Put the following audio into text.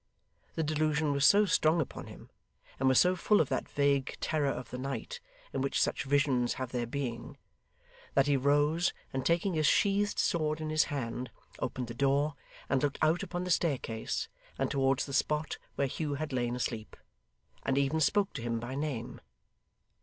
The delusion was so strong upon him, and was so full of that vague terror of the night in which such visions have their being, that he rose, and taking his sheathed sword in his hand, opened the door, and looked out upon the staircase, and towards the spot where Hugh had lain asleep; and even spoke to him by name.